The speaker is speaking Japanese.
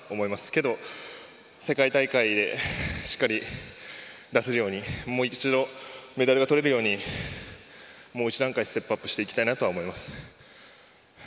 けど、世界大会でしっかり出せるようにもう一度、メダルが取れるようにもう一段階ステップアップしていきたいなと思います。